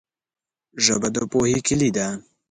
ژبه د پوهې کلي ده